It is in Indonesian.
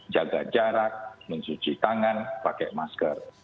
jaga jarak mencuci tangan pakai masker